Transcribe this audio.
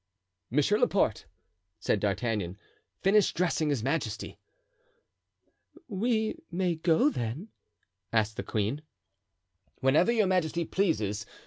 "Monsieur Laporte," said D'Artagnan, "finish dressing his majesty." "We may go, then?" asked the queen. "Whenever your majesty pleases.